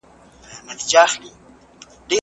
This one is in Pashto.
موږ د خپل کلتور د ښکلا لپاره کار کوو.